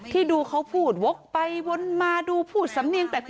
ที่ดูเขาพูดวกไปวนมาดูพูดสำเนียงแปลก